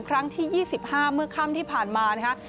ครั้งที่๒๕เมื่อค่ำที่ผ่านมานะคะ